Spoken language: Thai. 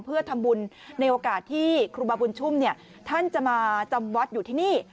เพื่อทำบุญในโอกาสที่ครูบาบุญชุ่มท่านจะมาจำวัดอยู่ที่นี่